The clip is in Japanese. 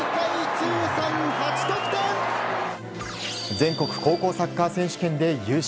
全国高校サッカー選手権で優勝。